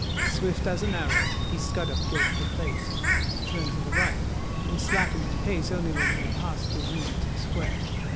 Swift as an arrow he scud up Guildford Place—turned to the right—and slackened his pace only when he had passed through Wilmington Square.